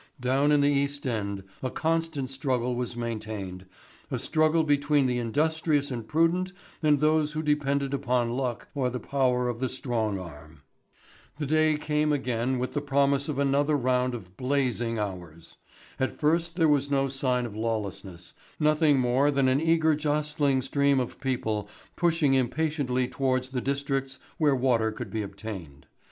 Down in the East End a constant struggle was maintained, a struggle between the industrious and prudent and those who depended upon luck or the power of the strong arm. The day came again with the promise of another round of blazing hours. At first there were no signs of lawlessness, nothing more than an eager jostling stream of people pushing impatiently towards the districts where water could be obtained.